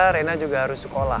rena juga harus sekolah